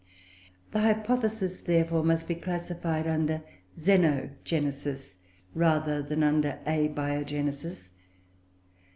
The hypothesis therefore must be classified under Xenogenesis, rather than under Abiogenesis.